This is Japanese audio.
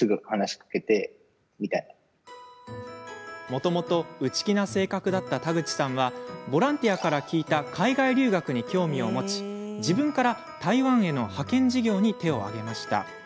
もともと内気な性格だった田口さんはボランティアから聞いた海外留学に興味を持ち自分から台湾への派遣事業に手を上げました。